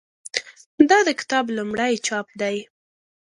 دا د کتاب لومړی چاپ دی.